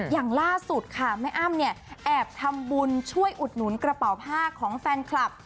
อย่างล่าสุดค่ะแม่อ้ำเนี่ยแอบทำบุญช่วยอุดหนุนกระเป๋าผ้าของแฟนคลับ